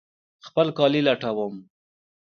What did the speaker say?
خپل کالي لټوم